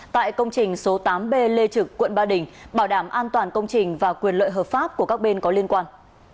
tại công trình số tám b lê trực quận ba đình bảo đảm an toàn công trình và quyền lợi hợp pháp của các bên có liên quan